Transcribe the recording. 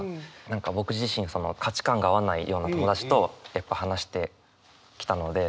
何か僕自身価値観が合わないような友達とやっぱ話してきたので。